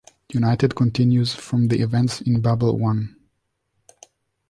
"United" continues from the events in "Babel One".